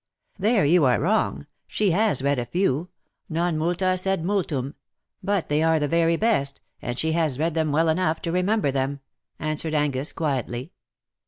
^^^^ There you are wrong. She has read a few — non multa sed multum — but they are the very best, and she has read them well enough to remember them/^ answered Angus, quietly.